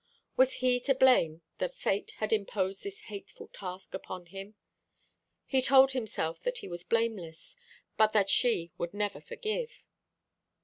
Was he to blame that Fate had imposed this hateful task upon him? He told himself that he was blameless; but that she would never forgive.